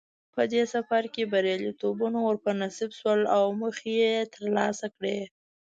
په دې سفرونو کې بریالیتوبونه ور په نصیب شول او موخې یې ترلاسه کړې.